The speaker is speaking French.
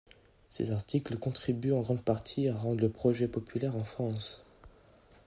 Ses articles contribuent en grande partie à rendre le projet populaire en France.